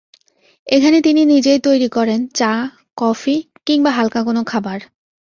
এখানে তিনি নিজেই তৈরি করেন চা, কফি, কিংবা হালকা কোনো খাবার।